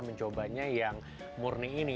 mencobanya yang murni ini